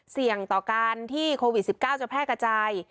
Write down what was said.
เสี่ยงต่อการที่โควิด๑๙จะแพร่กระจาย